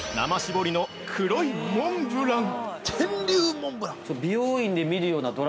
ぼりの黒いモンブラン。